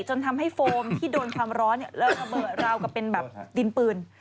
จนทำให้โฟมที่โดนความร้อนเริ่มระเบิดราวกับเป็นแบบดินปืน